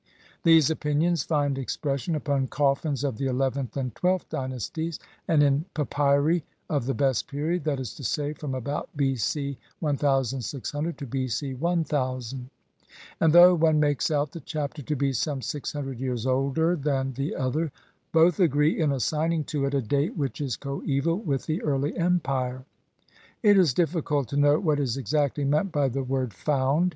These opinions find expression upon coffins of the eleventh and twelfth dynasties and in papyri of the best period, that is to say, from about B. C. 1600 to B. C. 1000; and though one makes out the Chapter to be some six hundred years older than the other, both agree in assigning to it a date which is coaeval with the Early Empire. It is difficult to know what is exactly meant by the word "found".